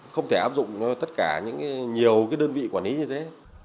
không thể áp dụng tất cả những cái nhiều cái đơn vị quản lý như thế